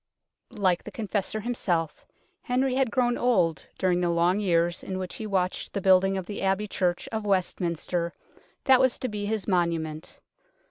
Like the Confessor himself, Henry had grown old during the long years in which he watched the building of the Abbey church of Westminster that was to be his monument.